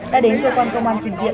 đã đến cơ quan công an trình diện